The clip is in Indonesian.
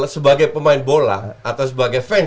sebagai pemain bola atau sebagai fans